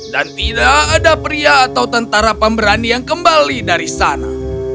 dan tidak ada pria atau tentara pemberani yang kembali dari sana